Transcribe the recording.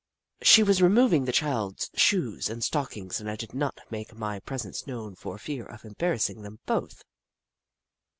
She was removing the child's shoes and stockings, and I did not make my presence known for fear of embar rassing them both.